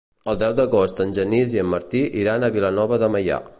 El deu d'agost en Genís i en Martí iran a Vilanova de Meià.